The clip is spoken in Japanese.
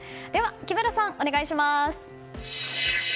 木村さん、お願いします。